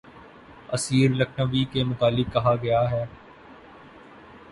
اسیر لکھنوی کے متعلق کہا گیا ہے